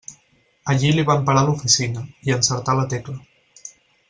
Allí li van parar oficina, i encertà la tecla.